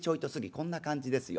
こんな感じですよ。